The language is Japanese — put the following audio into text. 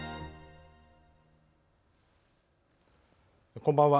こんばんは。